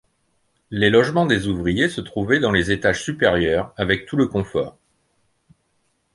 Les logements des ouvriers se trouvaient dans les étages supérieurs avec tout le confort.